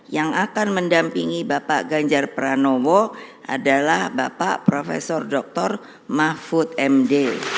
yang akan mendampingi bapak ganjar pranowo adalah bapak prof dr mahfud md